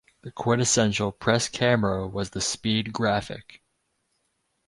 The quintessential press camera was the Speed Graphic.